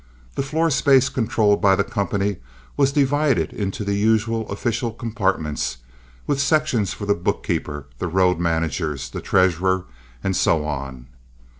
The floor space controlled by the company was divided into the usual official compartments, with sections for the bookkeepers, the road managers, the treasurer, and so on.